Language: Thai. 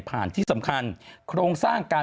ที่สำคัญโครงสร้างการ